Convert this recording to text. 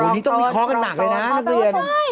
โหนี่ต้องมีข้อกันหนักเลยนะนักเรียน